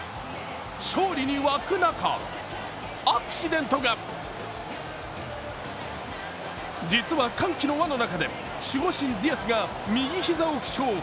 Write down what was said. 勝利に沸く中、アクシデントが実は、歓喜の輪の中で守護神・ディアスが右膝を負傷。